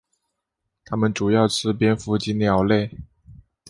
它们主要吃蝙蝠及鸟类。